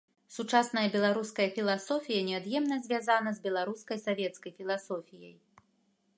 Сучасная беларуская філасофія неад'емна звязана з беларускай савецкай філасофіяй.